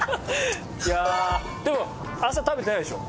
でも朝食べてないでしょ？